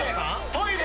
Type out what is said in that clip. トイレ！